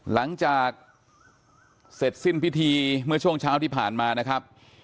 หลังจากเสร็จสิ้นพิธีเมื่อช่วงเช้าที่ผ่านมานะครับ